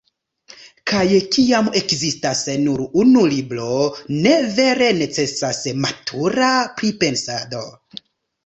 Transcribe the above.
Kaj kiam ekzistas nur unu libro, ne vere necesas “matura pripensado”.